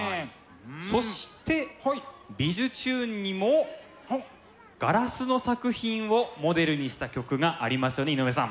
そして「びじゅチューン！」にもガラスの作品をモデルにした曲がありますよね井上さん。